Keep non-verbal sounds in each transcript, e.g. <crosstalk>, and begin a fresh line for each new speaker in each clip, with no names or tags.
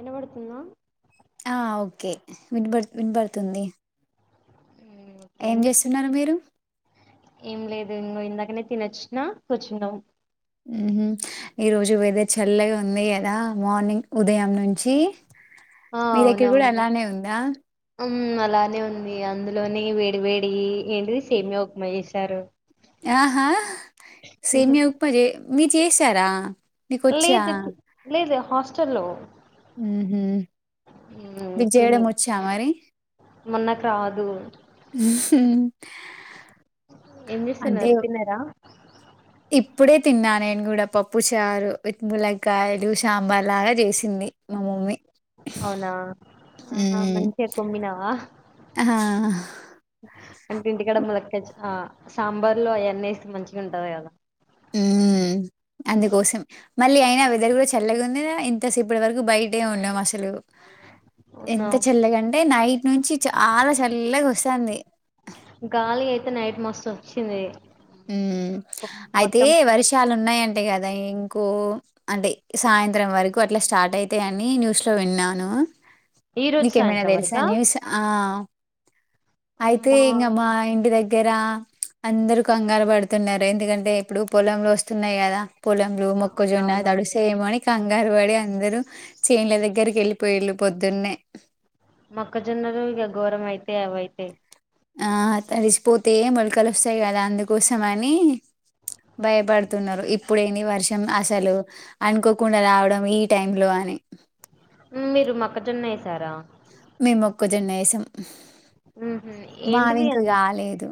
ఇనవడుతుందా
ఆ! ఓకే. వినబడు వినబడుతుంది
ఓకే
ఏం
చేస్తా
చేస్తున్నారు మీరు
నే ఇంగో ఇందాకనే తినొచ్చిన కూర్చున్నం
ఉహు ఈ రోజు వెదర్ చల్లగా ఉంది గదా మార్నింగ్ ఉదయం నుంచి మీ దగ్గర గూడా అలానే ఉందా
ఉమ్ అలానే ఉంది అందులోనీ వేడి వేడి ఏంటిది సేమ్యా ఉప్మా చేసారు
ఆహా సేమ్య ఉప్మా జే మీ చేశారా మీకొచ్చా?
లేదు లేదు హాస్టల్లో
ఊహు
మ్మ్
మీక్ జేయడం
తిని
ఒచ్చా మరి
మొన్నకు రాదు ఏం
అంటే
జేస్తున్నారు తిన్నరా
ఇప్పుడే తిన్నా నేన్ గూడ పప్పు చారు, విత్ ముల్లకాయలు, సాంబార్ లాగా చేసింది. ది మా మమ్మి
అవునా, ఆహా మంచిగ కుమ్మినవా.
ఆహా హ్.
అంటే ఇంటికాడ ములక్కయ చ్ చా సాంబార్ లో అయన్ని ఏస్త్ మంచిగా ఉంటది. గదా.
ఊ అందుకోసం మళ్ళీ అయినా వెదర్ గూడ చల్లగా ఉందిగా, ఇంత సేపటి వరకు బయటే ఉన్నాం అసలు.
అవునా
ఎంత చల్లగంటే నైట్ నుంచి చాలా చల్లగా వస్తాంది.
గాలి అయితే నైట్ మస్తోచ్చింది.
ఉమ్ అయితే వర్షాలు ఉన్నాయ్ అన్ టె కదా ఇంకో అంటే సాయంత్రం వరకు అట్లా స్టార్ట్ అయితయ్ అని న్యూస్ లో విన్నాను.
ఈ
ఆ
రోజు
నీకేమైనా
సాయంత్రం
తెల్సా
వరకా
న్యూస్ ఆ. అయితే
అమ్మా
ఇంగ మా ఇంటి దగ్గర అందరు. కంగారు పడుతున్నారు. ఎందుకంటే ఇప్పుడు పొలం లొస్తున్నయి గదా. పొలంలో మొక్కజొన్న
అవునవును
తడుస్తాయేమో అని కంగ్. కాంగారు పడి, అందరు చేన్ల దగ్గరికి ఎల్లిపోయిళ్ళు పొద్దున్నే.
మొక్కజొన్నలు ఇగ ఘోరంమైతై అవైతే.
ఆ తడిసిపోతే మొలకలు వొస్తయి గదా అందుకోసం అనీ. భయపడుతున్నరు, ఇప్పుడెంది వర్షం అసలు అనుకోకుండా రావడం, ఈ టైంలో అన్. ని
మీరు మొక్కజొన్న ఏసారా.
క్కోజన్న ఏసాం.
ఉహు ఏంటిది
మావింక గాలేదు.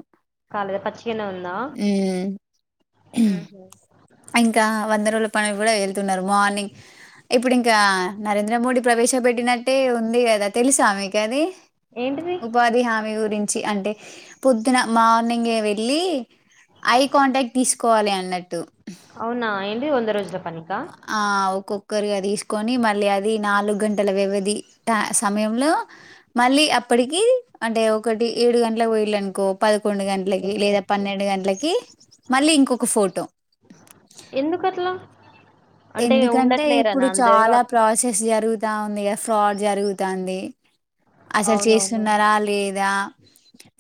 చిగనే ఉందా,
హ్మ్.
ఊహు
ఇంకా వంద రోజుల పని గూడా ఎళ్తున్నరు. మార్నింగ్, ఇప్పుడు ఇంకా నరేంద్ర మోడీ. ప్రవేశపెట్టినట్టే ఉంది గదా, తెలుసా మీకు అది
ఏంటిది
ఉపాధి హామీ గురింన్. చి అంటే పొద్దున మార్నింగే వెళ్ళీ. ఐ కాంటాక్ట్ తీసుకోవాలి అన్నట్టు.
అవునా ఏంది వంద రోజుల పనికా.
ఒకరిగా తీసుకొని మళ్ళీ అది నాలుగు గంటల వ్యవధి త సమయంలో మళ్ళీ అప్. ప్పటికి అంటే ఒకటి ఏడు గంటలకు పోయిల్లంకో. పదకొండు గంటలకి లేదా పన్నెండు గంటలకి మళ్ళీ ఇంకొక ఫోటో.
ఎందుకట్లా.
ఎందుకంటే ఇప్పుడు చాలా ప్రాసెస్ జరుగుత్. తావుంది కదా, ఫ్రాడ్ జరుగుతాంది. అసలు
అవునవును
చేస్తున్నారా లేదా.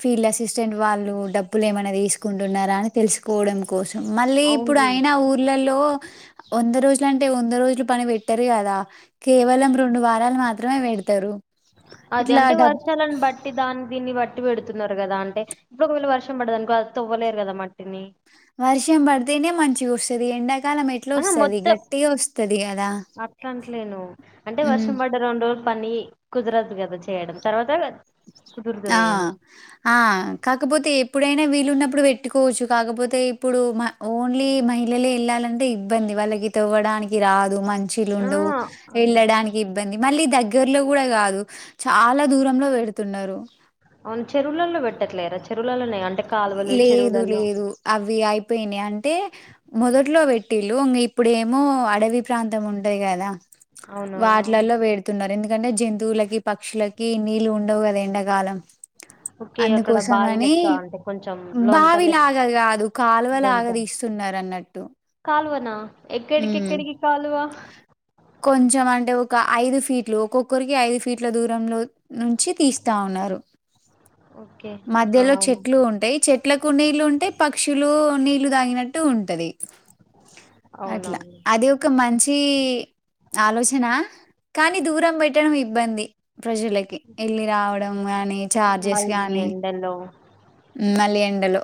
ఫీల్డ్ అసిస్టెంట్ వాళ్ళు డబ్బులు ఏమన్నా తీసుకుంటున్నారా అని తెలుసుకోవడం కోస్. మళ్ళీ ఇప్పుడు
అవును
అయినా ఊర్లలో. వంద రోజులంటే వంద రోజులు పని పెట్టరు గదా. కేవలం రెండు వారాలు మాత్రమే పెడతరు.
అది అంటే వర్షాలను బట్టి దాన్ దీన్ని బట్టి. ట్టి పెడుతున్నారు కదా, అంటే ఇప్పుడు ఒకవేళ వర్షం పడ్డదనుకో అది తొవ్వలేరు గదా మట్టిని.
వర్షం పడితేనే మంచిగొస్తది. ఎండా.
ఆ మొత్తం,
కదా
అట్లంట్లేను అంటే
హ్మ్.
వర్షం పడ్డ రెండ్ రోజ్. పని కుదరదు గదా చేయడం, తర్వాత
ఆ
కుదురుతది గాని
ఆ కాకపోతే. ఎప్పుడైనా వీలు ఉన్నప్పుడు పెట్టుకోవచ్చు. కాకపోతే ఇప్పుడు మ ఓన్లీ మహిళలే ఎళ్ళాలంటే ఇబ్బంది. వాళ్ళకి తొవ్వడానికి రాదు.
ఆ
మంచిల్లుండవ్,
అవును
ఎళ్ళడానికి ఇబ్బంది. మళ్ళీ దగ్గర్లో గూడ గాదు, చాలా దూరంలో పెడుతున్నరు.
అవును, చెరువుల్లల్లో పెట్టట్లేరా చెరువులలోనేగ్.
లేదు లేదు. అవి అయిపోయినాయ్. అంటే మొదట్లో పెట్. టిల్లు ఇంగ్ ఇప్పుడేమో అడవి ప్రాంతం ఉంటది కదా,
అవునా
వాటిలల్లో వేడుతున్నారెందు. దుకంటే జంతువులకి, పక్షులకి నీళ్ళు ఉండవు గదా ఎండాకాలం.
ఓకే అక్కడ బావి
అందుకోసమని
లెక్క అంటే కొంచెం లొంత లెక్క
బావిలాగా కాదు
లొంత
కాలువలాగా తీస్తున్నారు అన్నట్టు
కాలువనా ఎక్కడికెక్కడికి కాలువ
కొంచం అంటే ఒక ఐదు ఫీట్లు ఒక్కొక్కరికి ఐదు ఫీట్ల దూరంలో నుంచి తీస్తా ఉన్నారు
ఓకే హా
మధ్యలో
అవునా
చెట్లు ఉంటాయి చెట్లకు నీళ్లు ఉంటాయి పక్షులు నీళ్లు తాగినట్టు ఉంటది అట్లా
అవునవును
అది ఒక మంచి ఆలోచనా కానీ దూరం పెట్టడం ఇబ్ ఇబ్బంది ప్రజలకి ఏళ్ళి రావడం గానీ చార్జెస్
మళ్ళీ
గానీ
ఎండలో
మళ్ళీ ఎండలు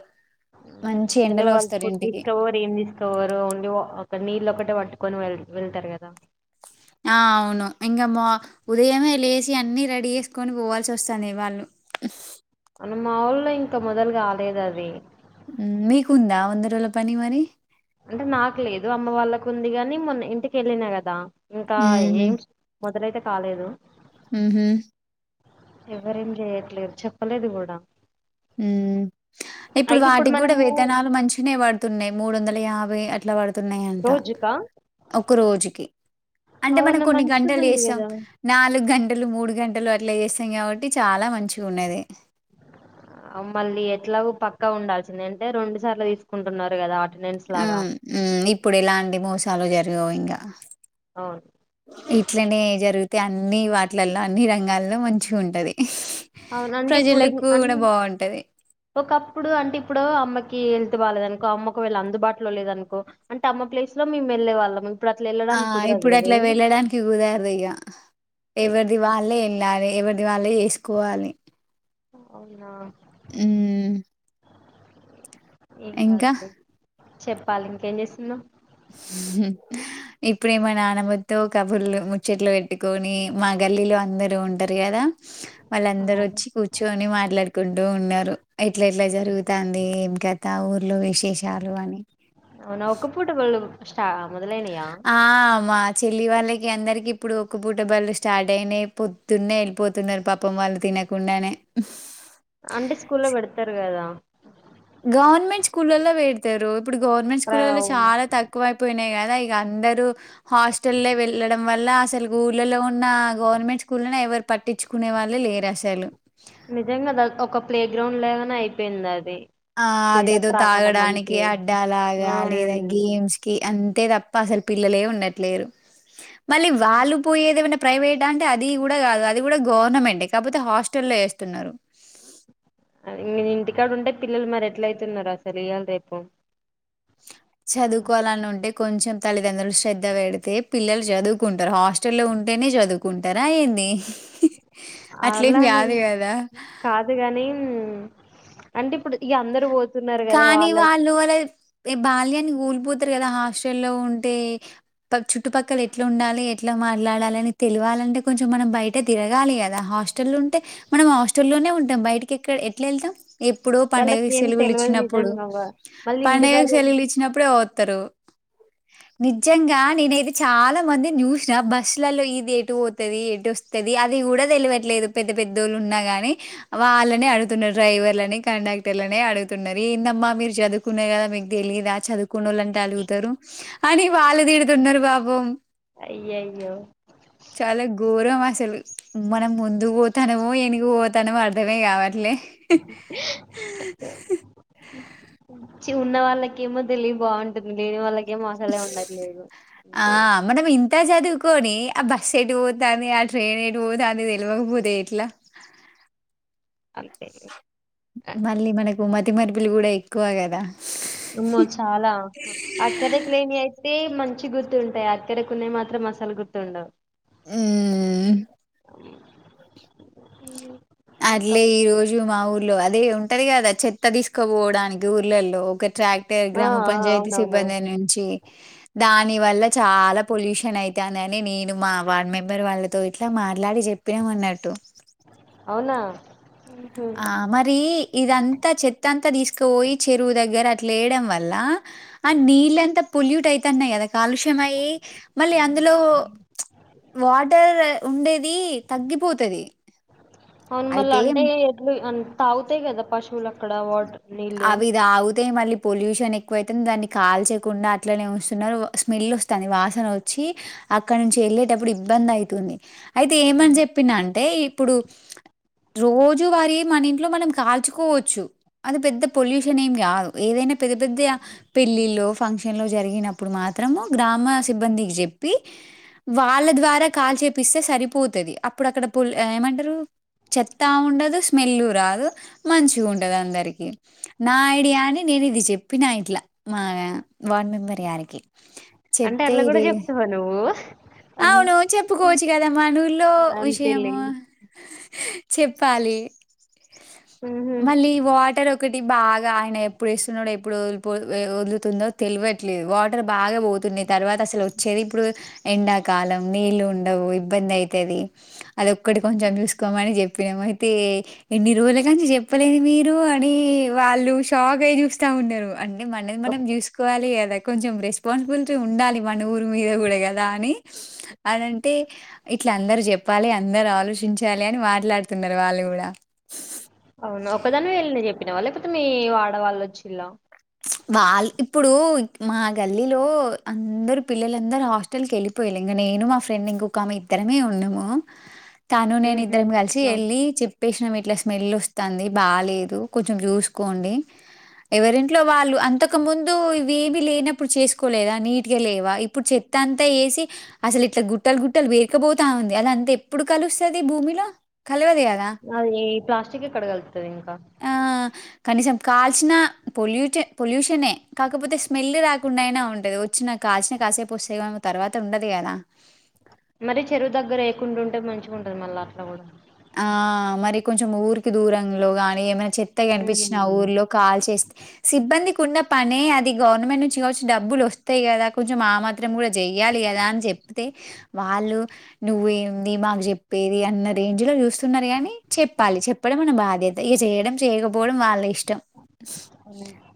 అసలు వాళ్ళు ఫుడ్ తీసుకపోరు ఏం తీసుకపోరు ఓన్లీ ఒక నీళ్ళు ఒకటే వా కొని వె వెళ్తారు కదా
ఆ అవును ఇంకా మా ఉదయమే లేసి అన్ని రెడీ చేసుకొని పోవాల్సి వస్తుంది వాళ్ళు అ
మన మాఊల్లో ఇంకా మొదలు కాలేదు అది
హ్మ్ మీకుందా వంద రోజుల పని మరి
అంటే నాకు లేదు అమ్మ వాళ్ళకు ఉంది గాని మొన్న ఇంటికి ఏళ్ళినా కదా ఇంకా ఏంస్ మొదలైతే కాలేదు
హ్మ హ్మ
ఎవరేం చేయట్లేదు చెప్పలేదు కూడా
హ్మ ఇప్పుడు
అయితే
వాటికి కూడా
మనము
వేతనాలు మంచిగ్నే పడుతున్నాయి మూడు వందల యాబ్ బాయ్ అట్లా పడుతున్నాయంట
రోజుకా
ఒక రోజుకి అంటే మనం
అవును
కొన్ని గంటలు
మంచిగుంది
చేస్తాం
కదా
నాలుగు గంట గంటలు మూడు గంటలు అట్లా చేస్తాం కాబట్టి చాలా మంచిగా ఉన్నది
ఆ మళ్ళీ ఎట్లా పక్కా ఉండాల్సిందే అంటే రెండు సార్లు తీసుకుంటున్నారు కదా అటెండెన్స్
ఆ
లాగా
హ్మ్ ఇప్పుడు ఏలాంటి మోసాలు జరగవు ఇంకా
అవును
ఇట్లనే జరిగితే అన్ని వాటిలల్లో అన్ని రంగాల్లో మంచిగా ఉంటది
అవును అండి ఇపుడు ఇన్ ఆన్
బావుంటది.
ఒకప్ ఇప్పుడు అంటే ఇప్పుడు అమ్మకి హెల్త్ బాలేద అనుకో అమ్మ ఒకవేళ అందుబాటులో లేదనుకో అంట అమ్మ ప్లేస్ లో మేం వెళ్ళే వాళ్ళం ఇప్పుడు అట్లా
ఆ
వెళ్ళడానికి కుదరదు
ఇప్పుడు అట్లా
కదా
వెళ్ళడానికి కుదరదు ఇగ ఎవరిది వాళ్ళే వెళ్ళాలి ఎవరిది వాళ్ళే చేసుకోవాలి
అవునా
హ్మ
ఏం కాదులే చెప్పాలి ఇంకేం చేస్తునావ్
హ్మ ఇప్పుడే మా నానమ్మతో కబుర్లు ముచ్చట్లు పెట్టుకొని మా గల్లీలో అందరు ఉంటారు కదా వాళ్ళ
ఆ,
అందరు వచ్చి కూర్చుని మాట్లాడుకు ఉంటూ ఉన్నారు ఎట్లా ఎట్లా జరుగుతంది ఏం ఇంకా ఊర్లో విశేషాలు అని
చ మొదలైనయ
ఆ! మా చెల్లి వాళ్ళకి అందరికి ఇప్పుడు ఒక్క పూట బళ్ళు స్టార్ట్ అయిన పొద్దునే వెళ్ళిపోతున్నారు పాపం వాళ్ళు తి తినకుండానే
అంటే స్కూల్ లో పెడతారు కదా
గవర్నమెంట్ స్కూళ్లల్లో పెడతారు ఇప్పుడు గవర్నమెంట్ స్కూల్లో
ప్ర-
చాలా తక్కువ అయిపోయినాయి గాన ఇక అందరుూ హాస్టల్ల్లో వెళ్ళడం వల్ల అసలు ఊళ్ళలో ఉన్న గవర్నమెంట్ స్కూల్ ఎవరు పట్టించుకునే వాళ్ళే లేరసలు
నిజంగా ఒక ప్లే గ్రౌండ్ లాగానే అయిపోయింది అది
ఆ
క్రీడా
అదేదో
ప్రాంగణం
తాగడానికి
అంతే
అడ్డా లాగా
ఆ
లేదా గేమ్స్ కి అంతే తప్ పసలు పిల్లలే ఉండట్లేరు మళ్ళీ వాళ్ళు పోయ ఏదమైనా ప్రైవేట్ అంటే అది కూడా కాదు అది కూడా గవర్నమెంట్ే కాకపోతే హాస్టల్లో వేస్తున్నారు
ఇ ఇంటికాడ ఉంటే పిల్లలు మరి ఎట్ల అయితున్నారో అసలు ఇయ్యాలి రేపు
చదువుకోవాలని ఉంటే కొంచెం తల్లిదండ్రులు శ్రద్ధ పెడితే పిల్లలు చదువుకుంటారు హాస్టల్ లో ఉంటేనే చదువుకుంటారుా ఏంది నే
అలానే కాదు కానీ అంటే ఇప్పుడు ఇగ అందరు పోతున్నారు కదా
కానీ
వాళ్ళ
వాళ్ళు వాళ్ళ ఏ బాల్యాన్ని కోల్ప్ పోతారు కదా హాస్టల్ల్లో ఉంటే ఫక్ చుట్టుపక్కల ఎట్లా ఉండాలి ఎట్లా మాట్లాడాలిని తెల్వ వాలంటే కొంచెం మనం బయట తిరగాలి కదా హాటల్ ఉంటే మనం హాటల్లోనే ఉంటాం బయటికి ఎక్కడ ఎట్ వెళ్తాం ఎప్ పండుగకి
వాళ్ళకేం
సెలవులు
తెలవదు
ఇచ్చినప్పుడు
నిజంగా అవ్వ. మళ్ళీ
పండుగ
ఇంటికాడ ఉన్-
సెలవులు ఇచ్చినప్పుడుే వతారు నిజంగా నేనైతే చాలా మంది చుసిన బస్సులలో ఇది ఎటు పోతుది ఎటు వస్తుది ఆ అది కూడా తెలియట్లేదు పెద్ద పెద్దోళ్ళ ఉన్నా గాని వాళ్ళని అడుతున్నారు డ్రైవర్ అని కండక్ క్టర్లనే అడుగుతున్నాది ఏందమ్మా మీరు చదువుకున్నారు కదా మీకు తెలియదా చదువుకున్న వాళ్ళంటే అడుగుతారు అని వాళ్ళు తిడుతున్నారు పాాపం
అయ్యయ్యో
చాలా ఘోరం అస్ సలు మనం ముందుకు పోతానమో ఎనుగు పోతామో అర్థమే కావట్లే ఆ
వచ్చి ఉన్న వాళ్ళకేమో తెలివి బాగుంటుంది లేని వాళ్ళకి గేమో అసలే ఉండట్లేదు అంతే ఇగ
కోని ఆ బస్ ఏటు పోతాది ఆ ట్రైన్ ఏటు పోతది తెలివకపోతే ఎట్లా
అంతే ఇగ
మళ్ళీ మనకు మతిమరపులు కూడా ఎక్కువ కదా
ఉమ్మో చాలా అక్కడ క్లీన్ అయితే మన్ మంచి గుర్తుంటాయి అక్కడ కొనేయి మాత్రం అసలు గుర్తుండవు
ఉ
ఇంకా
అర్లే ఈ రోజు మాఊర్ లో అదే ఉంటది కదా చెత్త తీసుకోపోవడానికి ఊర్లల్లో ఒక ట్రాక్టర్
ఆ
గ్రామ
ఆ
పంచాయతీ
అవునవును
సిబ్బంది నుంచి దాని వల్ల చాలా పొల్యూషన్ అవుతదిని నేను మా వార్డ్ మెంబర్ వాళ్ళతో ఇట్లా మాట్లాడి చెప్ చెప్పేమన్నటటు
వున్నా
ఆ మరి ఇదంతా చెత్తంతా తీసుకుపోయి చెరువు దగ్గర అట్ లేయడం వల్ల ఆ నీళ్ళంతా పొల్యూట్ అయితున్నాయి కదా కాలుష్య అయి మళ్ళీ అందులో వాటర్ ఉండేది తగ్గిపోతుది
అవున్ మళ్ళ అంటే ఎద్ అ తాగుతయి అదా పశువులక్క
అవి దాగుతే మళ్ళ పొల్యూషన్ ఎక్కువ అైతుంది దాన్ని కాల్చయకుండా అట్లనే వస్తున్నారు స్మెల్ వస్తుంది వాసన వచ్చి అక్కడ నుంచి వెళ్ళేటప్పుడు ఇబ్బంది అవుతుంది అయితే ఏమని చెప్పిన అంటే ఇప్పుడు రోజు వారి మన ఇంట్లో మనం కాల్చుకోవచ్చు అది పెద్ద పొల్యూషన్ ఏమి కాదు ఏదైనా పెద్ద పెద్ద గ పెళ్ళిలో ఫంక్షన్ లో జరిగినప్పుడు మాత్ త్రము గ్రామ సిబ్బందికి చెప్పి వాళ్ళ ద్వారా కాల్ చేపిస్తే సరిపోతుది అప్పుడు అక్కడ పల్ ఏమంటారు చెత్తా ఉండదు స్మెల్ రాదు మంచి గ ఉంటది అందరి టీకి నా ఐడియా అని నేను ఇది చెప్పినా ఇట్లా మాగా వన్ మెంబరే ఆడికి
అంటే
చెప్తే
అట్లా కూడా
ఇది
చెప్తావా నువ్వు అన్
అవును చెప్పుకోవచ్చు గదా మనూళ్లో
అంతేలే
విషయము చెప్పాలి
ఉహు
మళ్ళీ వాటర్ ఒక ఒకటి బాగా ఆయన ఎప్పుడు ఇస్తున్నాడో ఎప్పుడు ఒదుల్పో వద్లుతుందో తెలియట్లేదు వాటర్ బాగా వోతుంది తర్వాత అసలు ఒచ్చేది ఇప్పుడు ఎండాకాలం నీళ్ళ ఉండవు ఇబ్బంది అయితది అదొక్కటి కొంచెం జూస్కోమని జెప్పిన అయితే ఎన్ని రోజుల కంచి చెప్పలేదు మీరు అని వాళ్ళు షాక్ అయి జూస్తా ఉన్నరు అంటే మనది మనం జూస్కోవాలి గదా కొంచెం రెస్పాన్సిబిలిటీ ఉండాలి మన ఊరి మీద గుడ గదా అని అనంటె ఇట్ల అందరు జెప్పాలి అందరు ఆలోచించాలి అని మాట్లాడుతున్నారు వాళ్ళు గుడ
వాళ్ లెపోతే మీ వాడవాళ్ళు వచ్చిళ
<inaudible> వాళ్ళ్ ఇప్పుడు మా గల్లీలో అందరు పిల్లలందరు హాస్టల్ కెళ్ళిపోయిల్ ఇంగ నే నేను మా ఫ్రెండ్ ఇంకొకామె ఇద్దరమే ఉన్నము తను నేను
హుహు.
ఇద్దరం కలిసి
అవును.
ఎళ్ళి ప్పేసినాం ఇట్ల స్మెల్ ఒస్తాంది బాలేదు కొచెం చూస్కోండి ఎవరిన్ ఇంట్లో వాళ్ళు అంతకు ముందు ఇవి ఏవి లేనప్పుడు చేసుకోలేదా నీట్ గ లేవా ఇప్పుడు చెత్త అంతా ఏ సి అసల్ ఇట్ల గుట్టలు గుట్టలు వేర్కపోతా ఉంది అదంత ఎప్పుడు కలుస్తది భూమిలో కలవదు కదా
అదే ప్లాస్టిక్ ఎక్కడ కలుత్తది ఇంకా
ఆ! కనీసం కాల్చిన పొల్యూ పొల్యూషనే కాకపోతే స్మెల్ రాకుండా అయినా ఉంటది ఒచ్చిన కాచిన కాసేపొస్తదెమ్ తర్వాత ఉండదు కదా
మరీ చెరువు దగ్గర ఎయ్యకుండ్ ఉంటే మంచిగుంటది మళ్ళ అట్ల గూడా
ఆ మరి కొంచెం ఊరికి దూరంలో గానీ ఏమైనా చెత్త కనిపించిన
హ్మ్.
ఊర్లో కాల్ చేస్తే సిబ్బంది కున్న పనే అది గవర్నమెంట్ నుంచి డబ్బులు ఒస్తయి గదా కొంచెం ఆ మాత్రం గుడ జెయ్యాలి గద అన్ జెప్పి ప్తే వాళ్ళు నువ్వేంది మాకు జెప్పేది అన్న రెన్ ఏంజ్లో జూస్తున్నరు గనీ చెప్పాలి చెప్పడం మన బాధ్యత ఇగ చేయడం చేయకపోవడం వాళ్ళ ఇష్టం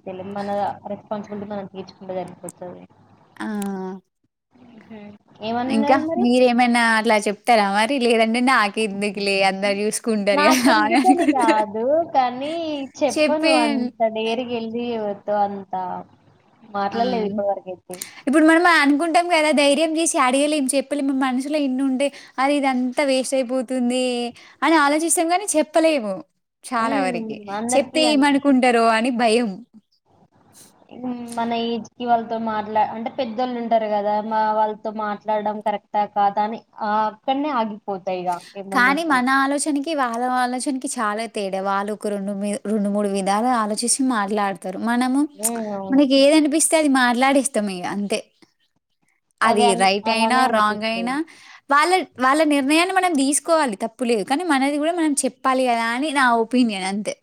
తెలి మన రెస్పాన్సిబిలిటీ మనం తీర్చుకుంటే జరిగిపోతుంది
ఆ
మ్హ్
ఇంకా మీరేమైనా అట్లా చెప్తారా మరి లేద నీకెందుకు లే అందరు యూస్కుంటరు అదా హహహహ
నాకెందుకని
అనుకుంటర
అను అంత డేర్గెల్లి ఎళ్లి ఇవతు అంత
అం
మాట్లాడలేదు ఇప్పటి వరకైతే.
ఇప్పుడు మనం అనుకుంటు ఉంటం కదా ధైర్యం జేశి అడగలేం చెప్పలే మ మనసులో ఎన్ని ఉంటే అది ఇదంతా వేస్ట్ అయిపోతుంది ఎ అని ఆలోచిస్తం గనే చెప్పలేము చాలా
హ్మ్.
వరకి చెప్తే
అందరికీ అన్
ఏమనుకుంటారో అని భయం
మన ఏజ్ కి వాళ్ళతో మాట్లా అంటే పెద్దోళ్ళు ఉంటరు గదా మా వాళ్ళతో మాట్లాడడం కరెక్టా కాదా అని ఆ అక్కడనే ఆగిపోతాయి ఇగ ఏమన్న
కానీ
ఉంటే
మన ఆలోచనకి, వాళ్ళ ఆలోచనకి చాలా తేడా వాళ్ళు ఒక రెండు రెండు మూడు విధాలు ఆలోచిచి మాట్లాడుత తరు మనము
ఉమ్ అవును
మనకి ఏది అనిపిస్తే అది మాట్లాడేస్తం ఇగ అంతే అది
అదే అన్-
రైట్ అయినా
అలానే
రాంగ్ అయినా
అనిపిస్తుంది
వాళ్ళ వాళ్ళ నిర్ణయాన్ని మనం దీస్కోవాలి తప్పు లేదు కానీ మనది గుడ మనం చెప్పాలి కదా అని నా ఒపీనియన్ అంతే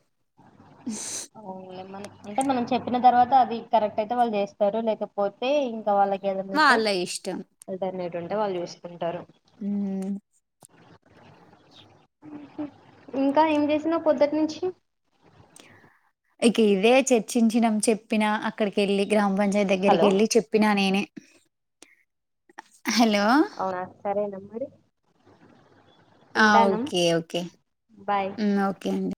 అవున్లే మన అంటే మనం చెప్పిన తర్వాత అది కరెక్ట్ అయితే వాళ్ళ్ జేస్తరు లేకపోతే ఇంకా వాళ్ళకి ఏదన్నుంటే
వాళ్ళ ఇష్టం.
ఆల్టర్నేట్ ఉంటే వాళ్ళు జూస్కుంటరు
మ్
ఇంకా ఏం చేసినవ్ పొద్దుట్నుంచి
ఇక ఇదే చర్చించినం చెప్పినా అక్కడికెళ్ళి గ్రామ పంచాయత్
హలో
దగ్గరికెళ్ళి చెప్పిన నేనే హలో!
అవునా సరేనమ్
ఆ
ఉంటాను
ఓకే ఓకే
బాయ్
మ్ ఓకే అండి